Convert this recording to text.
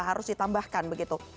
harus ditambahkan begitu